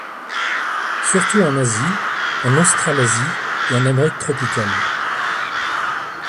Surtout en Asie, en Australasie, et en Amérique tropicale.